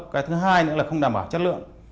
cái thứ hai nữa là không đảm bảo chất lượng